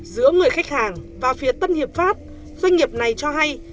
giữa người khách hàng và phía tân hiệp pháp doanh nghiệp này cho hay